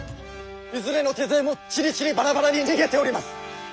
いずれの手勢もちりちりバラバラに逃げております！